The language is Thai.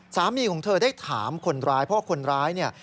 สามีของเธอได้ถามคนร้ายเพราะคนร้ายเนี่ย